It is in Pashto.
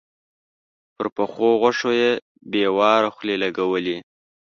پر پخو غوښو يې بې واره خولې لګولې.